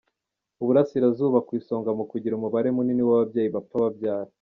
Uburasirazuba ku isonga mu kugira umubare munini w’ababyeyi bapfa babyara.